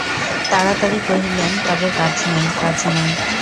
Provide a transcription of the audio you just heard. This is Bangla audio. তাড়াতাড়ি কহিলেন, তবে কাজ নাই– কাজ নাই।